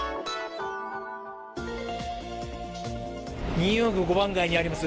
ニューヨーク５番街にあります